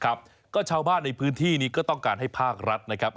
ครับก็ชาวบ้านในพื้นที่นี้ก็ต้องการให้ภาครัฐนะครับ